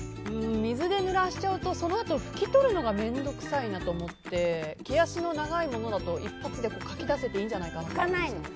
水で濡らしちゃうとそのあと、拭き取るのが面倒くさいなと思って毛足の長いものだと一発でかき出せていいんじゃないかと。